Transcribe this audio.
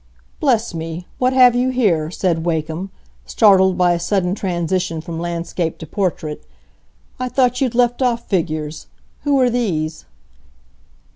"Bless me! what have you here?" said Wakem, startled by a sudden transition from landscape to portrait. "I thought you'd left off figures. Who are these?"